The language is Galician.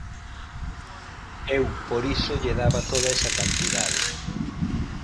Eu por iso lle daba toda esa cantidade.